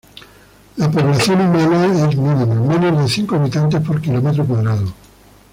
La población humana es mínima: menos de cinco habitantes por kilómetro cuadrado.